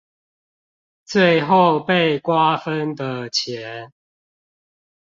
最後被瓜分的錢